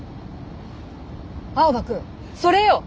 青葉くんそれよ！